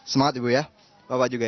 semangat ibu ya bapak juga ya